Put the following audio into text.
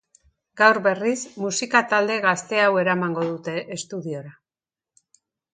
Gaur, berriz, musika talde gazte hau ermango dute estudiora.